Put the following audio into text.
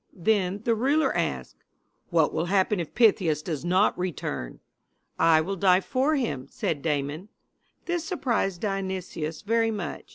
Then the ruler asked: "What will happen if Pythias does not return?" "I will die for him," said Damon. This surprised Dionysius very much.